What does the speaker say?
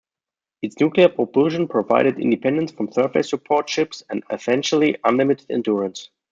Its nuclear propulsion provided independence from surface support ships and essentially unlimited endurance.